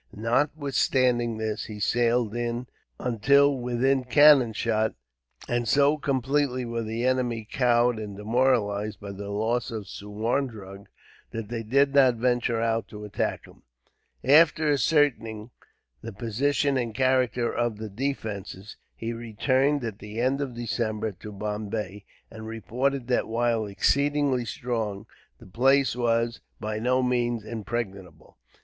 Notwithstanding this, he sailed in until within cannon shot, and so completely were the enemy cowed and demoralized, by the loss of Suwarndrug, that they did not venture out to attack him. After ascertaining the position and character of the defences, he returned, at the end of December, to Bombay; and reported that, while exceedingly strong, the place was by no means impregnable.